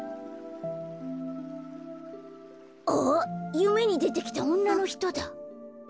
ゆめにでてきたおんなのひとだ。